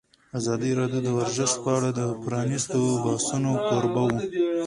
ازادي راډیو د ورزش په اړه د پرانیستو بحثونو کوربه وه.